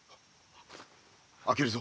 開けるぞ。